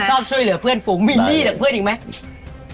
ชอบช่วยเหลือเพื่อนฝูงมิลลี่จากเพื่อนอีกไหม